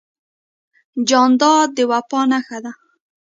جانداد د وفا نښه ده.